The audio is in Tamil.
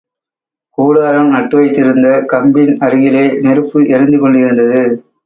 கூடாரம் நட்டு வைத்திருந்த கம்பின் அருகிலே நெருப்பு எரிந்து கொண்டிருந்தது.